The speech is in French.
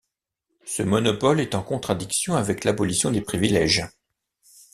Ce monopole est en contradiction avec l'abolition des privilèges.